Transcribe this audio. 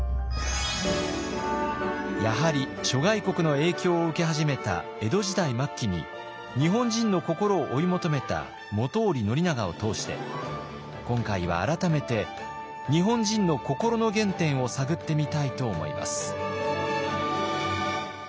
やはり諸外国の影響を受け始めた江戸時代末期に日本人の心を追い求めた本居宣長を通して今回は改めて日本人の心の原点を探ってみたいと思います。